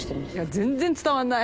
全然伝わんない。